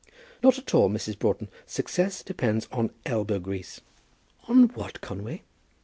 "Not at all, Mrs. Broughton; success depends on elbow grease." "On what, Conway?"